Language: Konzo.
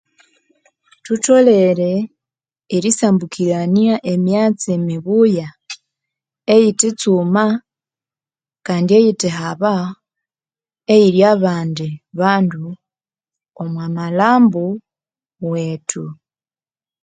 Thutholere erisambukirania emyatsi mibuya eyithi tsuma kandi eyithe haba eyiri abandi bandu omwa malhambo wethu.